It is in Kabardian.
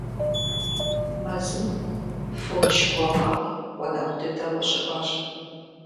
Мэзым фоч уэ макъ гъунэгъу дыдэу къыщыӀуащ.